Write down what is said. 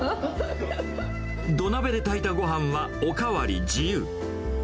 土鍋で炊いたごはんはお代わり自由。